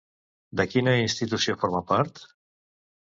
De quina institució forma part?